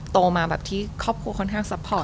โตมาที่ครอบครัวค่อนข้างสะพอต